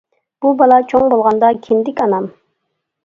بۇ بالا، چوڭ بولغاندا، كىندىك ئانام!